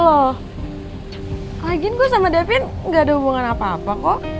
lagian gue sama dapin gak ada hubungan apa apa kok